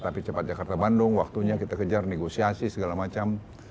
tapi cepat jakarta bandung waktunya kita kejar negosiasi segala macam